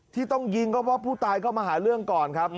ที่ต้องยิงก็เพราะผู้ตายเข้ามาหาเรื่องก่อนครับ